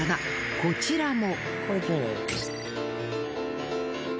こちらも。